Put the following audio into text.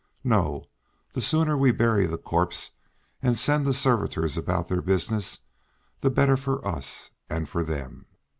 No; the sooner we bury the corpse and send the servitors about their business the better for us and for them.